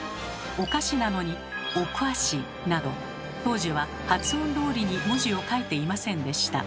「おかし」なのに「おくゎし」など当時は発音どおりに文字を書いていませんでした。